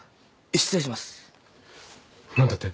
何だって？